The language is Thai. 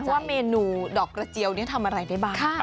ว่าเมนูดอกกระเจียวนี้ทำอะไรได้บ้าง